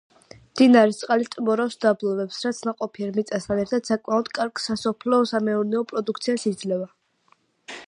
მდინარის წყალი ტბორავს დაბლობებს, რაც ნაყოფიერ მიწასთან ერთად საკმაოდ კარგ სასოფლო-სამეურნეო პროდუქციას იძლევა.